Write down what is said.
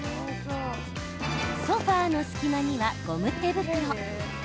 ソファーの隙間にはゴム手袋。